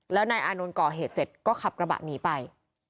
แล้วนายอานนท์ก่อเหตุเสร็จก็ขับกระบะหนีไป